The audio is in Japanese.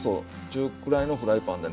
中くらいのフライパンでね